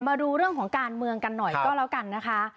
มาดูเรื่องของการเมืองกันหน่อยก็แล้วกันนะคะ